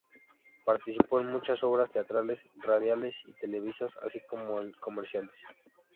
Participó en muchas obras teatrales, radiales y televisivas, así como en comerciales.